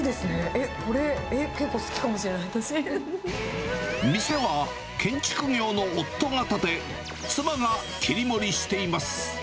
えっ、これ、えっ、店は建築業の夫が建て、妻が切り盛りしています。